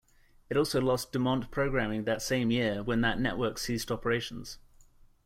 It also lost DuMont programming that same year when that network ceased operations.